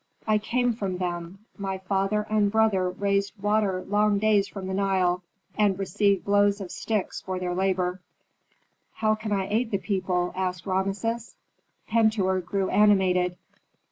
"I came from them. My father and brother raised water long days from the Nile, and received blows of sticks for their labor." "How can I aid the people?" asked Rameses. Pentuer grew animated.